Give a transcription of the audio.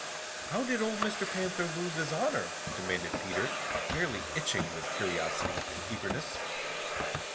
"How did old Mr. Panther lose his honor?" demanded Peter, fairly itching with curiosity and eagerness.